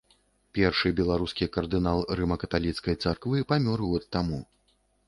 Першы беларускі кардынал рыма-каталіцкай царквы памёр год таму.